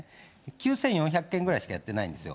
９４００件くらいしかやってないんですよ。